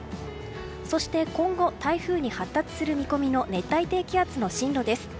そして今後、台風に発達する見込みの熱帯低気圧の進路です。